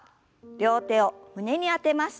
両手を胸に当てます。